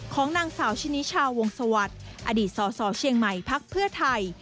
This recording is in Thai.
ของนางสาวชินิชาวงสวัสดิ์อดีตสสเชียงใหม่พักเพื่อไทย